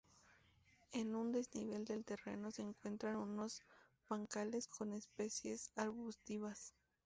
En un desnivel del terreno se encuentran unos bancales con especies arbustivas.